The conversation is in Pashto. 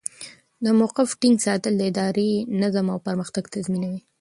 د موقف ټینګ ساتل د ادارې نظم او پرمختګ تضمینوي.